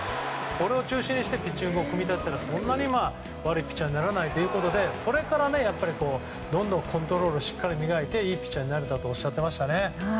これを基本にしてピッチングを組み立てたらそんなに悪いピッチャーにならないということでそれからどんどんコントロールをしっかり磨いていいピッチャーになれたとおっしゃっていましたね。